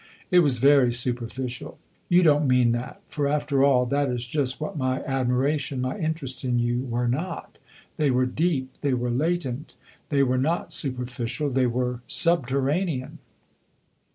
"It was very superficial." "You don't mean that; for, after all, that is just what my admiration, my interest in you, were not. They were deep, they were latent. They were not superficial they were subterranean."